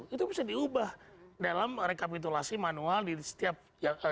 itu bisa diubah dalam rekapitulasi manual di setiap